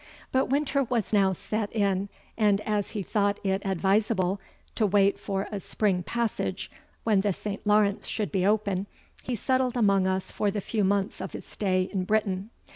But winter was now set in, and as he thought it advisable to wait for a spring passage, when the St. Lawrence should be open, he settled among us for the few months of his stay in Britain.